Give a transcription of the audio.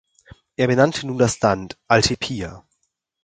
Er benannte nun das Land Althepia.